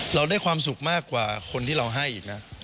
เราได้ความสุขมากกว่าคนที่เราให้อีกนะ